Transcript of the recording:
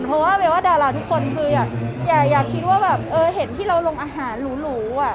เพราะว่าแบบว่าดาราทุกคนคืออยากอยากคิดว่าแบบเออเห็นที่เราลงอาหารหรูหรูอ่ะ